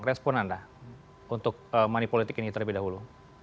respon anda untuk manipolitik ini terlebih dahulu